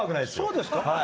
そうですか？